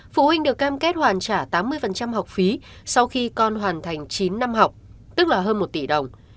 phụ huynh được cam kết hoàn trả tám mươi học phí sau khi con hoàn thành chín năm học tức là hơn một tỷ đồng